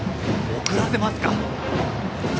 送らせますか。